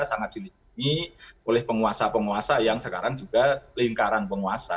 sangat dilindungi oleh penguasa penguasa yang sekarang juga lingkaran penguasa